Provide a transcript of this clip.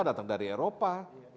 datang dari eropa